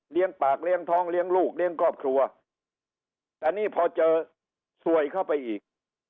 ปากเลี้ยงท้องเลี้ยงลูกเลี้ยงครอบครัวแต่นี่พอเจอสวยเข้าไปอีก